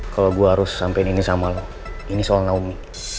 kalau gue harus sampein ini sama lo ini soal naomi